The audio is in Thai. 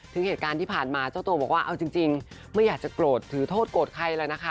ถึงเหตุการณ์ที่ผ่านมาเจ้าตัวบอกว่าเอาจริงไม่อยากจะโกรธถือโทษโกรธใครแล้วนะคะ